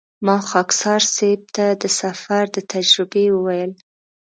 ما خاکسار صیب ته د سفر د تجربې وویل.